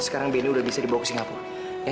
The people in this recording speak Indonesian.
sekarang bnny udah bisa dibawa ke singapura